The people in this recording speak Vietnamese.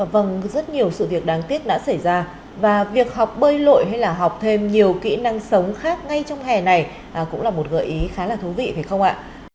vâng rất nhiều sự việc đáng tiếc đã xảy ra và việc học bơi lội hay là học thêm nhiều kỹ năng sống khác ngay trong hè này cũng là một gợi ý khá là thú vị phải không ạ